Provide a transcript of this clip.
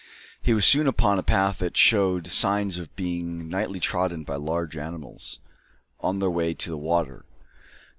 He was soon upon a path that showed signs of being nightly trodden by large animals, on their way to the water.